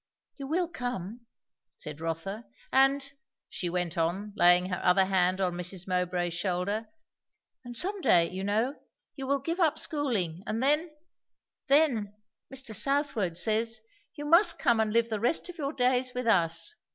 "You will come," said Rotha. "And," she went on, laying her other hand on Mrs. Mowbray's shoulder, "And some day, you know, you will give up schooling; and then then Mr. Southwode says, you must come and live the rest of your days with us.